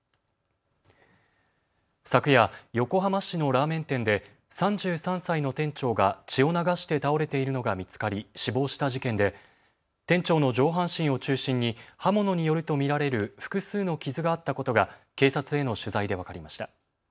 昨夜、横浜市のラーメン店で３３歳の店長が血を流して倒れているのが見つかり死亡した事件で店長の上半身を中心に刃物によると見られる複数の傷があったことが警察への取材で分かりました。